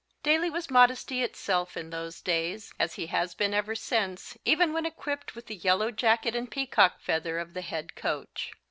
Daly was modesty itself in those days as he has been ever since, even when equipped with the yellow jacket and peacock feather of the head coach.